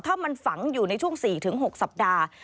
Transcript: ถ้ามันฝังอยู่ในช่วง๔๖สัปดาห์